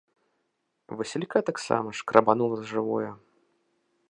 Васілька таксама шкрабанула за жывое.